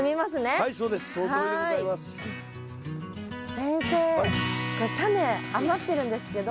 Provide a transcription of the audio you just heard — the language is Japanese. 先生これタネ余ってるんですけど。